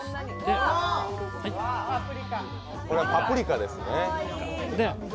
これはパプリカですね。